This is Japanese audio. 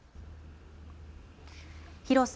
広さ